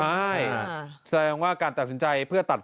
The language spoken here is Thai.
ใช่ใส่ว่าการตัดไฟต้นลม